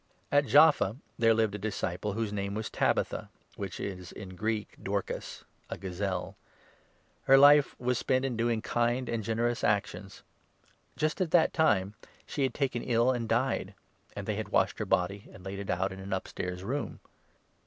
At Jaffa there lived a disciple whose name was Tabitha, 36 which is in Greek 'Dorcas' — a Gazelle. Her life was spent in doing kind and charitable actions. Just at that time she 37 was taken ill, and died ; and they had washed her body and laid it out in an upstairs room.